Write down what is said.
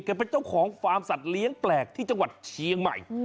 เป็นเจ้าของฟาร์มสัตว์เลี้ยงแปลกที่จังหวัดเชียงใหม่